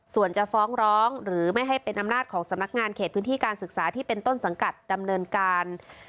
ส่วนจะฟ้องร้องหรือไม่ให้เป็นอำนาจของสำนักงานเขตพื้นที่การศึกษาที่เป็นต้นสังกัดดำเนินการ